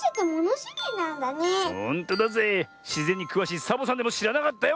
しぜんにくわしいサボさんでもしらなかったよ